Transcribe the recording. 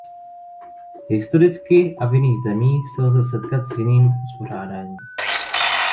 Historicky a v jiných zemích se lze setkat i s jiným uspořádáním.